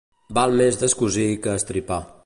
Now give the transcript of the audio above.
Val més descosir que estripar.